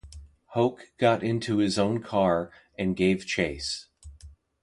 Hoak got into his own car and gave chase.